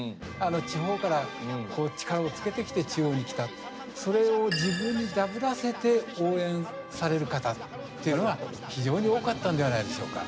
地方からこう力をつけてきて中央に来たと。それを自分にだぶらせて応援される方っていうのが非常に多かったんではないでしょうか。